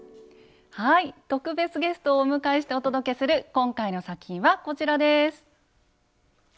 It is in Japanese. はい特別ゲストをお迎えしてお届けする今回の作品はこちらです！